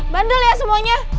bandel ya semuanya